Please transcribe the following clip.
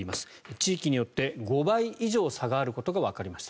地域によって５倍以上差があることがわかりました。